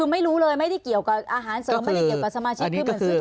ไม่รู้เลยไม่ได้เกี่ยวกับอาหารเสริมไม่ได้เกี่ยวกับสมาชิกเพื่อเหมือนซื้อถั่วเลย